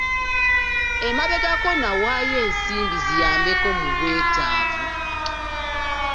Emabegako nawaayo ensimbi ziyambeko mu bwetaavu.